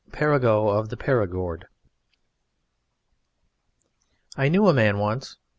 PERIGEUX OF THE PERIGORD I knew a man once.